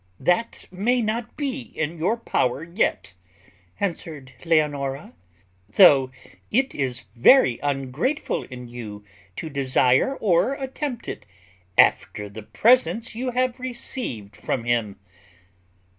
"That may not be in your power yet," answered Leonora, "though it is very ungrateful in you to desire or attempt it, after the presents you have received from him."